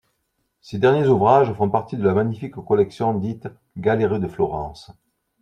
Ses derniers ouvrages font partie de la magnifique collection dite Galerie de Florence.